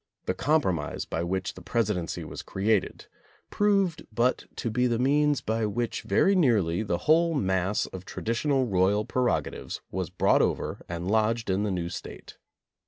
The compromise by which the presi dency was created proved but to be the means by which very nearly the whole mass of traditional royal prerogatives was brought over and lodged in the new State.